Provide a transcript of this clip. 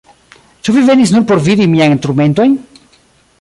Ĉu vi venis nur por vidi miajn turmentojn?